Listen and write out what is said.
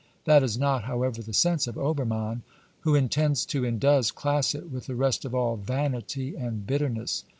That is not, however, the sense of Obermann, who intends to, and does, class it with the rest of all vanity and bitterness.